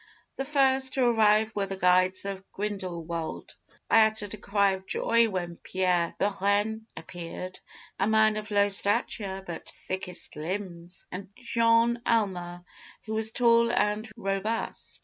"The first to arrive were the guides of Grindelwald. I uttered a cry of joy when Pierre Bohren appeared, a man of low stature but thickset limbs, and Jean Almer, who was tall and robust.